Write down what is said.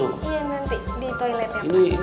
iya nanti di toiletnya